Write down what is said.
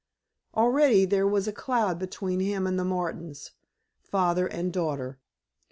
Already there was a cloud between him and the Martins, father and daughter.